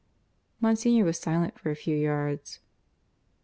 Monsignor was silent for a few yards.